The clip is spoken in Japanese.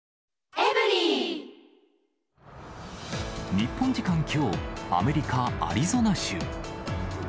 日本時間きょう、アメリカ・アリゾナ州。